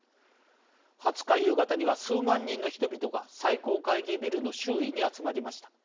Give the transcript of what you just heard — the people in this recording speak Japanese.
２０日夕方には数万人の人々が最高会議ビルの周囲に集まりました。